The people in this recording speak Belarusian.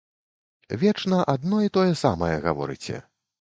Вечна адно і тое самае гаворыце.